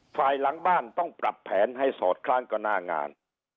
หลังบ้านต้องปรับแผนให้สอดคล้องกับหน้างาน